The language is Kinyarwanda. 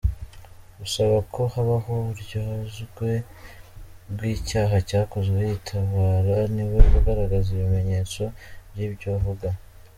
Usaba ko habaho uburyozwe bw’icyaha yakoze yitabara niwe ugaragaza ibimenyetso by’ibyo avuga.